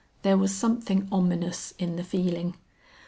There was something ominous in the feeling.